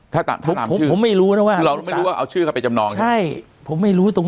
ถ้ารอผมไม่รู้ว่าเอาชื่อไปจำนองกันใช่ผมไม่รู้ตรง